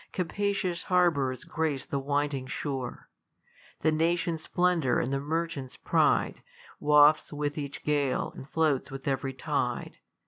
Capacious harbours grace the winding shore : The nation's splendour and ihr merchant's pride VVafts with each gale, and floats with ev'ry tide.